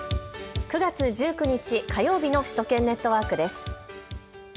９月１９日火曜日の首都圏ネットワークです。